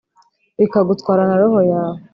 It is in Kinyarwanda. bikagutwara na roho yawe